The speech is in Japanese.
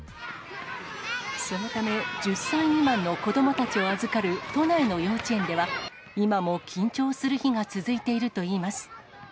そのため、１０歳未満の子どもたちを預かる都内の幼稚園では、今も緊張する日が続いているといいます。